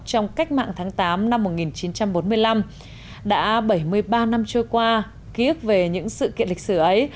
trong cách mạng tháng tám năm một nghìn chín trăm bốn mươi năm đã bảy mươi ba năm trôi qua ký ức về những sự kiện lịch sử ấy